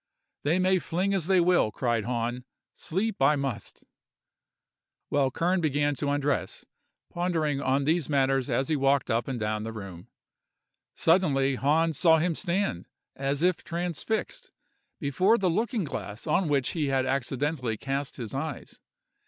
'They may fling as they will,' cried Hahn, 'sleep I must;' while Kern began to undress, pondering on these matters as he walked up and down the room. Suddenly Hahn saw him stand, as if transfixed, before the looking glass on which he had accidentally cast his eyes.